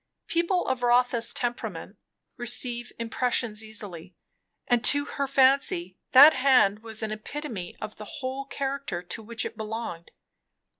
People of Rotha's temperament receive impressions easily, and to her fancy that hand was an epitome of the whole character to which it belonged.